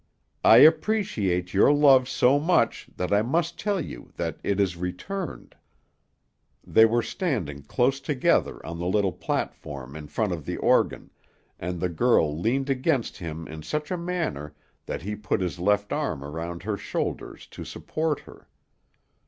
I appreciate your love so much that I must tell you that it is returned." They were standing close together on the little platform in front of the organ, and the girl leaned against him in such a manner that he put his left arm around her shoulders to support her.